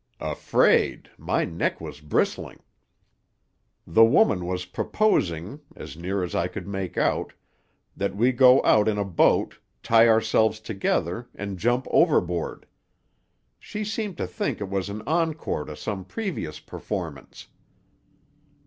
"Afraid! My neck was bristling. The woman was proposing, as near as I could make out, that we go out in a boat, tie ourselves together, and jump overboard. She seemed to think it was an encore to some previous performance.